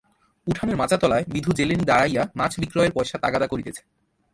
উঠানের মাচাতলায় বিধু জেলেনি দাঁড়াইয়া মাছ বিক্রয়ের পয়সা তাগাদা করিতেছে।